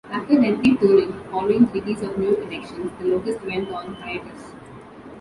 After lengthy touring following the release of "New Erections", The Locust went on hiatus.